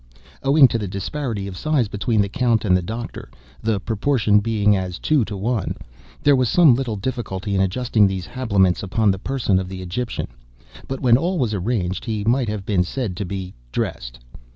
Owing to the disparity of size between the Count and the doctor (the proportion being as two to one), there was some little difficulty in adjusting these habiliments upon the person of the Egyptian; but when all was arranged, he might have been said to be dressed.